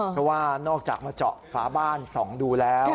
เพราะว่านอกจากมาเจาะฝาบ้านส่องดูแล้ว